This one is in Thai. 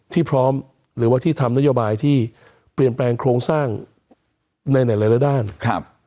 ที่พร้อมหรือว่าที่ทำนโยบายที่เปลี่ยนแปลงโครงสร้างในหลายด้านครับ